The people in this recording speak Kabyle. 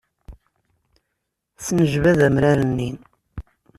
Tesnejbad amrar-nni.